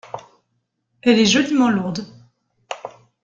Elle est joliment lourde.